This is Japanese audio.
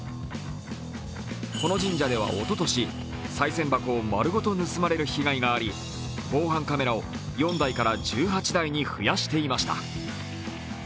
この神社ではおととしさい銭箱を丸ごと盗まれる被害があり防犯カメラを４台から１８台に増やしていました。